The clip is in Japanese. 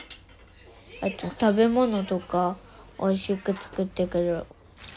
あと食べ物とかおいしく作ってくれる。